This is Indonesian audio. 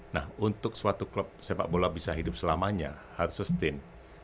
nah untuk suatu klub sepak bola bisa hidup selamanya harus sustain